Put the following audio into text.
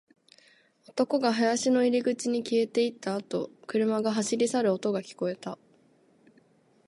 男が林の入り口に消えていったあと、車が走り去る音が聞こえた